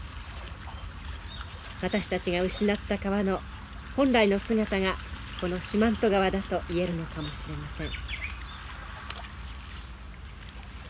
私たちが失った川の本来の姿がこの四万十川だと言えるのかもしれません。